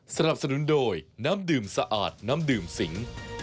สนับสนุนโดยน้ำดื่มสะอาดน้ำดื่มสิง